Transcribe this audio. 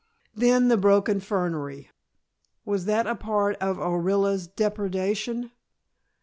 Then, the broken fernery! Was that a part of Orilla's depredation?